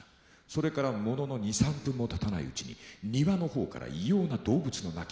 それからものの２３分もたたないうちに庭の方から異様な動物の鳴き声。